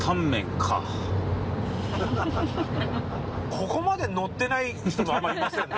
ここまでノってない人もあまりいませんね。